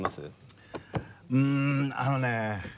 うんあのね